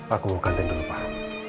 aku mau ganteng dulu pak